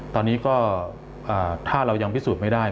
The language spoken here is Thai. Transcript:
ตอนนี้ก็ถ้าเรายังพิสูจน์ไม่ได้